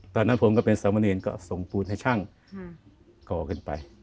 ตอนนั้นผมก็เป็นสามเณรก็ส่งปูนให้ช่างก่อขึ้นไป